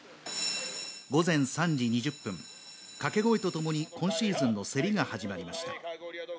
午前３時２０分、掛け声とともに今シーズンの競りが始まりました。